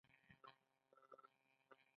ایا زه باید خپل عضلات درد کړم؟